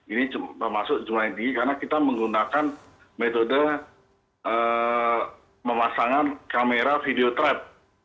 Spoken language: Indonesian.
ini termasuk jumlah ini karena kita menggunakan metode memasangan kamera video trap